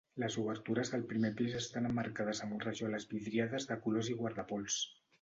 Les obertures del primer pis estan emmarcades amb rajoles vidriades de colors i guardapols.